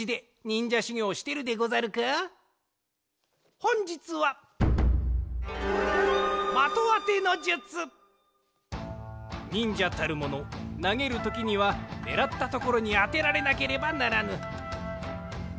ほんじつはにんじゃたるものなげるときにはねらったところにあてられなければならぬ。